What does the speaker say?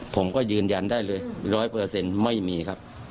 ผมก็ยืนยันได้เลย๑๐๐ไม่มีครับ